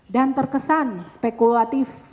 dan terkesan spekulatif